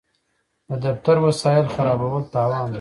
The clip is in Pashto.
د دفتر وسایل خرابول تاوان دی.